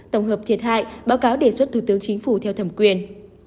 tổng hợp thiệt hại báo cáo đề xuất thủ tướng chính phủ theo thẩm quyền